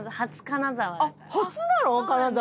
初なの⁉金沢。